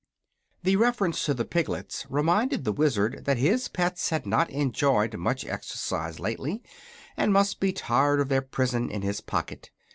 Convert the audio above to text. The reference to the piglets reminded the Wizard that his pets had not enjoyed much exercise lately, and must be tired of their prison in his pocket.